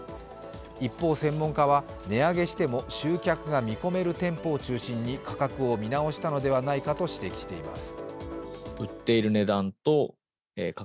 一方、専門家は値上げしても集客を見込める店舗を中心に価格を見直したのではないかと指摘しています。